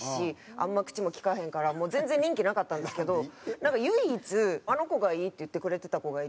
あんま口も利かへんからもう全然人気なかったんですけど唯一「あの子がいい」って言ってくれてた子がいて。